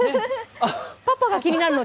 パパが気になるの？